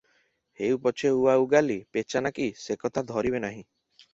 ହେଉ ପଛେ ଉଆଉଗାଲୀ, ପେଚାନାକୀ, ସେ କଥା ଧରିବେ ନାହିଁ ।